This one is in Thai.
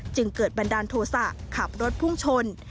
จึงเกิดบันดาลโทษะขับรถพุ่งชน